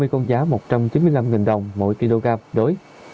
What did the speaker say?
ba mươi con giá một trăm chín mươi năm đồng mỗi kg đối